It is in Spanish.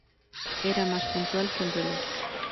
Era más puntual que un reloj